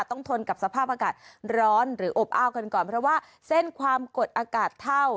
ทนกับสภาพอากาศร้อนหรืออบอ้าวกันก่อนเพราะว่าเส้นความกดอากาศเท่า